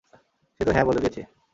সে তো হ্যাঁঁ বলে দিয়েছে।